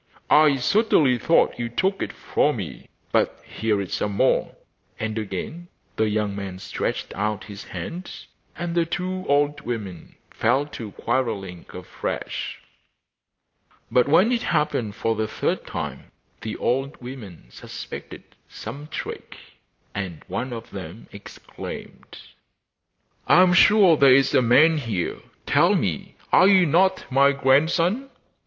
'I certainly thought you took it from me; but here is some more.' And again the young man stretched out his hand; and the two old women fell to quarrelling afresh. But when it happened for the third time the old women suspected some trick, and one of them exclaimed: 'I am sure there is a man here; tell me, are you not my grandson?